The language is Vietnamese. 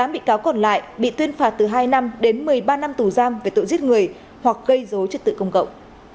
một mươi bị cáo còn lại bị tuyên phạt từ hai năm đến một mươi ba năm tù giam về tội giết người hoặc gây dối trật tự công cộng